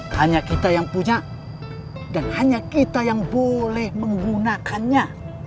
hanya kita yang punya dan hanya kita yang boleh menggunakannya